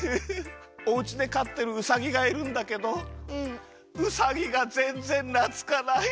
おうちでかってるウサギがいるんだけどウサギがぜんぜんなつかないの。